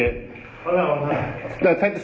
โอ้โอ้นะ